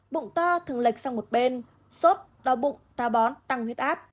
bụng to thường lệch sang một bên sốt đau bụng to bón tăng huyết áp